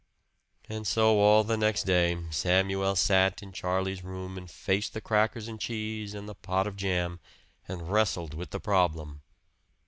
And so all the next day Samuel sat in Charlie's room and faced the crackers and cheese and the pot of jam, and wrestled with the problem.